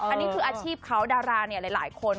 อันนี้คืออาชีพเขาดาราเนี่ยหลายคน